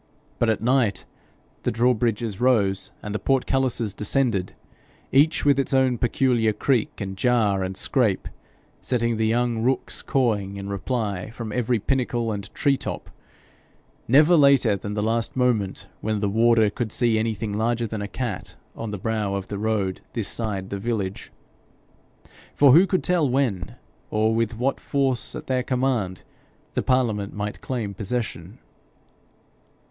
But at night the drawbridges rose and the portcullises descended each with its own peculiar creak, and jar, and scrape, setting the young rooks cawing in reply from every pinnacle and tree top never later than the last moment when the warder could see anything larger than a cat on the brow of the road this side the village. For who could tell when, or with what force at their command, the parliament might claim possession?